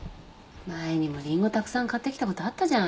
前にもリンゴたくさん買ってきたことあったじゃん。